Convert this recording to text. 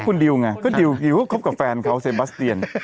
ก็คุณดิวย์ไงก็ดิวย์เคยคบกับแฟนเขาเซบัสเตียน